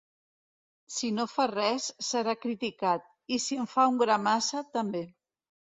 Si no fa res, serà criticat; i si en fa un gra massa, també.